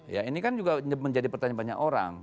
ya ini kan juga menjadi pertanyaan banyak orang